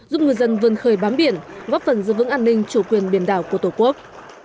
giúp ngư dân vươn khơi bám biển góp phần giữ vững an ninh chủ quyền biển đảo của tổ quốc